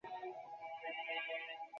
রোসো, কাজ সারিয়া ফেলি।